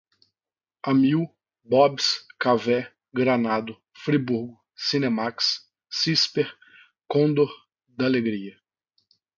Amil, Bob's, Cavé, Granado, Friburgo, Cinemaxx, Cisper, Condor, D'Alegria